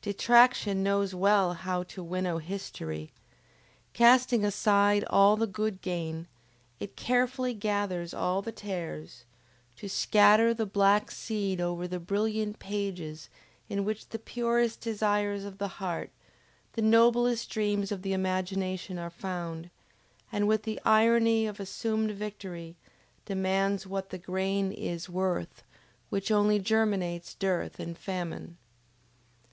Detraction knows well how to winnow history! Casting aside all the good grain, it carefully gathers all the tares, to scatter the black seed over the brilliant pages in which the purest desires of the heart, the noblest dreams of the imagination are found; and with the irony of assumed victory, demands what the grain is worth which only germinates dearth and famine?